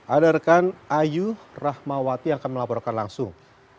ada rekan ayu rahmawati yang akan melaporkan langsung